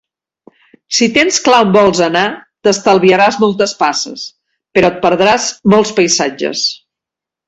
Si tens clar on vols anar, t'estalviaràs moltes passes, però et perdràs molts paisatges.